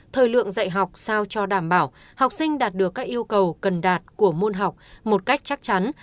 thời lượng dạy học sao cho đảm bảo học sinh đạt được các yêu cầu cần đạt của môn học một cách chắc chắn